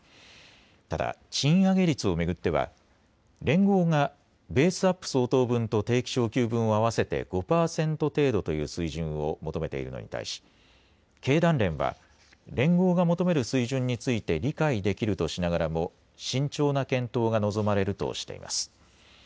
ただ賃上げ率を巡っては連合がベースアップ相当分と定期昇給分を合わせて５％程度という水準を求めているのに対し、経団連は連合が求める水準について理解できるとしながらも慎重な検討が望まれるとしています。